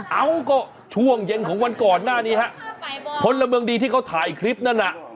เอ้าก็ช่วงเย็นของวันก่อนหน้านี้ฮะพลเมืองดีที่เขาถ่ายคลิปนั่นน่ะ